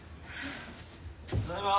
ただいま。